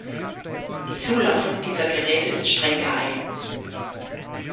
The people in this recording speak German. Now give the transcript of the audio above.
Die Zulassung dieser Geräte ist streng geheim.